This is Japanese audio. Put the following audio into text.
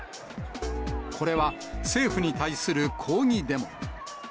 これは政府に対する抗議デモ。